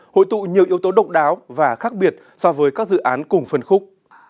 hội tụ nhiều yếu tố độc đáo và khác biệt so với các dự án cùng phân khúc